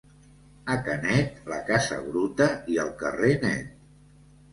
A Canet, la casa bruta i el carrer net.